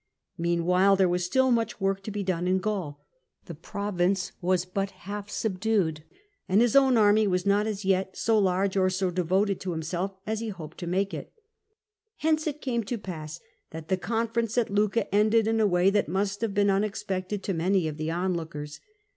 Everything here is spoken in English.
Meanwhile, there was still much work to be done in Gaul ; the pro vince was but half subdued, and his own army was not as yet so large or so devoted to himself as he hoped to make it. Hence it came to pass that the conference at Lucca ended in a way that must have been unexpected to many of the onlookers.